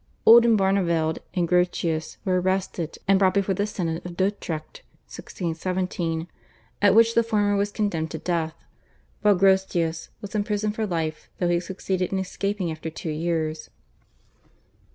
Oldenbarneveld and Grotius were arrested and brought before the synod of Dordrecht (1617), at which the former was condemned to death, while Grotius was imprisoned for life though he succeeded in escaping after two years.